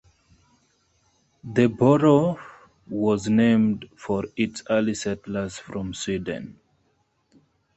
The borough was named for its early settlers from Sweden.